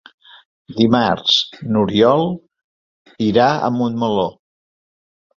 Dimarts n'Oriol irà a Montmeló.